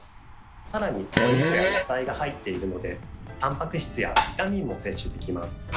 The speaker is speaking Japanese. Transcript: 更にお肉や野菜が入っているのでタンパク質やビタミンも摂取できます。